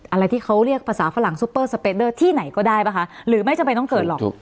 อะไรที่เขาเรียกภาษาฝรั่งที่ไหนก็ได้ป่ะค่ะหรือไม่จำไมต้องเกิดหรอก